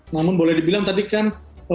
namun boleh dibilang tadi kan